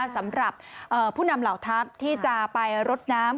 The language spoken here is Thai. สำหรับผู้นำเหล่าทัพที่จะไปรดน้ำ